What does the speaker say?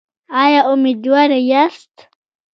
ایا امیدواره یاست؟